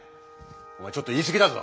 おまえちょっと言い過ぎだぞ！